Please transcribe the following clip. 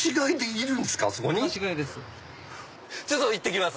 いってきます